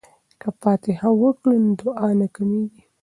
که فاتحه وکړو نو دعا نه کمیږي.